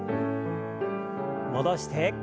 戻して。